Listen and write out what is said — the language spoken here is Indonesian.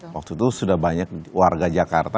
waktu itu sudah banyak warga jakarta